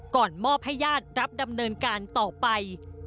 มอบให้ญาติรับดำเนินการต่อไป